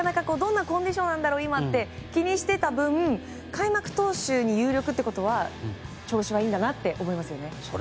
今、どんなコンディションなんだろうと気にしていた分開幕投手に有力ということは調子がいいんだなって思いますよね。